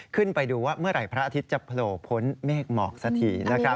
ขึ้นไปดูว่าเมื่อไหร่พระอาทิตย์จะโผล่พ้นเมฆหมอกสักที